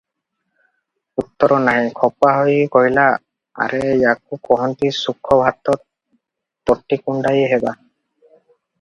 ଉତ୍ତର ନାହିଁ, ଖପା ହୋଇ କହିଲା, "ଆରେ ୟାକୁ କହନ୍ତି, ସୁଖ ଭାତ ତୋଟି କୁଣ୍ତାଇ ହେବା ।"